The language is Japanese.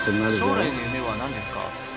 将来の夢はなんですか？